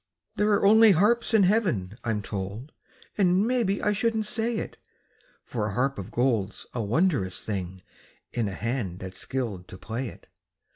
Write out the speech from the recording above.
There are only harps in heaven, I'm told, And maybe I shouldn't say it, For a harp of gold's a wondrous thing In a hand that's skilled to play it.